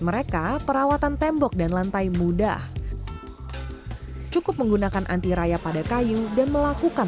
mereka perawatan tembok dan lantai mudah cukup menggunakan anti raya pada kayu dan melakukan